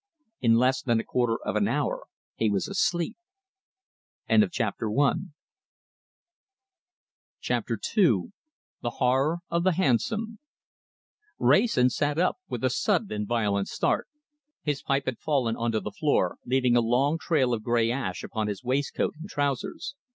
In less than a quarter of an hour he was asleep! CHAPTER II THE HORROR OF THE HANSOM Wrayson sat up with a sudden and violent start. His pipe had fallen on to the floor, leaving a long trail of grey ash upon his waistcoat and trousers.